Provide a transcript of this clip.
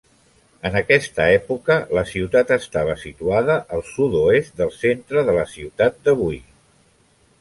En aquesta època, la ciutat estava situada al sud-oest del centre de la ciutat d'avui.